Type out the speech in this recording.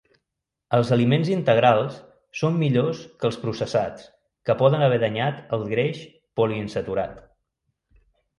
Els aliments integrals són millors que els processats que poden haver danyat el greix poliinsaturat.